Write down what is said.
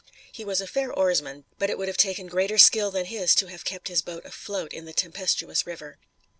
He was a fair oarsman, but it would have taken greater skill than his to have kept his boat afloat in the tempestuous river.